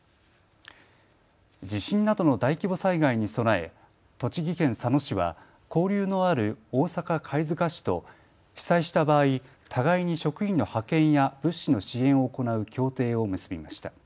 地震などの大規模災害に備え、栃木県佐野市は交流のある大阪貝塚市と被災した場合、互いに職員の派遣や物資の支援を行う協定を結びました。